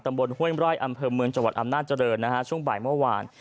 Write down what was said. ตำบลฮ่วยมไร้อำเภอเมืองจังหวัดอำนาจรรย์ช่วงบ่ายเมื่อวาน